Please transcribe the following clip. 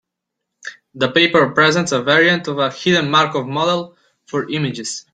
The paper presents a variant of a hidden Markov model for images.